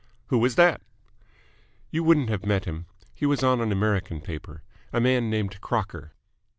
"Who was that?" "You wouldn't have met him. He was on an American paper. A man named Crocker."